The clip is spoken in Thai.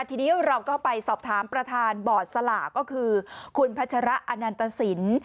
ทีนี้เราก็ไปสอบถามประธานบอร์ดสลากก็คือคุณพัชระอนันตสิน